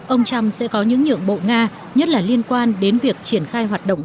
ông trump sẽ có những nhượng bộ nga nhất là liên quan đến việc triển khai hoạt động